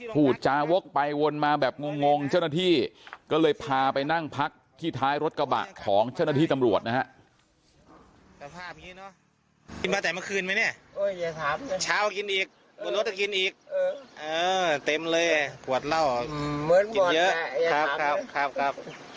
พูดจาวกไปวนมาแบบงงเจ้าหน้าที่ก็เลยพาไปนั่งพักที่ท้ายรถกระบะของเจ้าหน้าที่ตำรวจนะครับ